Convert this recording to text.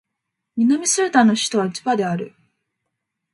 南スーダンの首都はジュバである